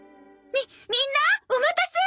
みみんなお待たせ。